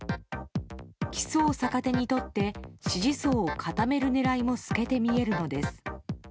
起訴を逆手にとって支持層を固める狙いも透けて見えるのです。